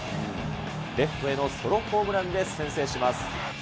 レフトへのソロホームランで先制します。